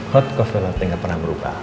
hot coffee latte gak pernah berubah